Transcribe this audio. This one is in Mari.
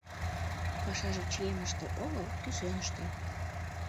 Пашаже чиемыште огыл, кӱсеныште.